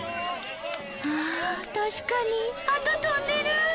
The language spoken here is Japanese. ああ確かにハト飛んでる！